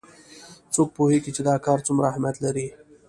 څوک پوهیږي چې دا کار څومره اهمیت لري